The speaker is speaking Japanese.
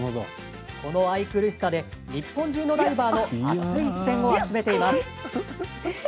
この愛くるしさで日本中のダイバーの熱い視線を集めています。